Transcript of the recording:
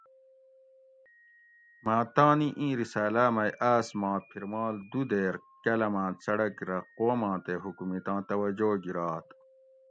مۤہ تانی اِیں رِسالاۤ مئی آۤس ما پِھرمال دُو دیر کاۤلاۤماۤں څڑک رہ قوماں تے حکومتاں توجہ گِرات